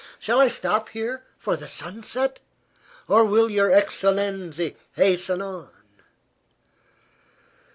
Shall I stop here for the sunset, or will your excellenzi hasten on?"